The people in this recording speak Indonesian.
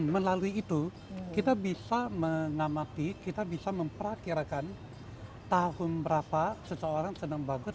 melalui itu kita bisa mengamati kita bisa memperakirakan tahun berapa seseorang senang bagus